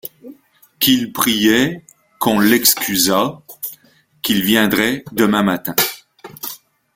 Qu’il priait qu’on l’excusât, qu’il viendrait demain matin.